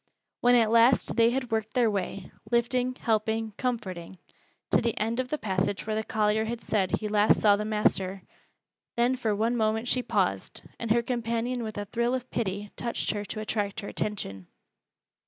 When at last they had worked their way lifting, helping, comforting to the end of the passage where the collier had said he last saw the master, then for one moment she paused, and her companion with a thrill of pity touched her to attract her attention.